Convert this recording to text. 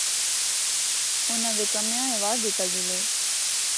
انہاں دے کمے آں ایوارڈ دتا جلے۔